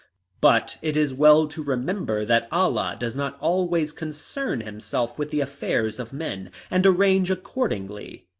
But it is well to remember that Allah does not always concern himself with the affairs of men, and arrange accordingly.